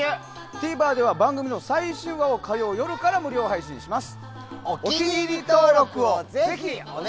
ＴＶｅｒでは番組の最新話を火曜夜から無料配信します。